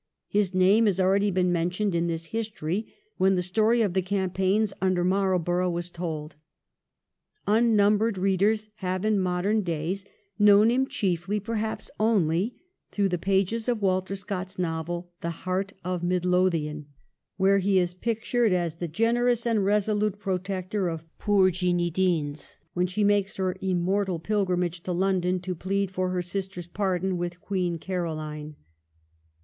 His name has already been mentioned in this history, when the story of the campaigns under Marlborough was told. Unnumbered readers have in modern days known him chiefly, perhaps only, through the pages of Walter Scott's novel, 'The Heart of Midlothian,' where he is pictured as the generous and resolute protector of poor Jeanie Deans, when she makes her immortal pilgrimage to London to plead for her sister's pardon with Queen Caroline.